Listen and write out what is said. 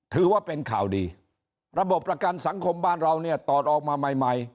ถือว่าเป็นข่าวดีระบบประกันสังคมบ้านเราเนี่ยตอดออกมาใหม่ใหม่